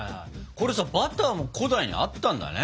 これさバターも古代にあったんだね。